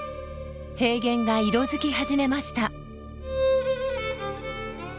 平原が色づき始めました。